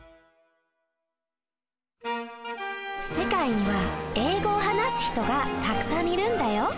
世界には英語を話す人がたくさんいるんだよ。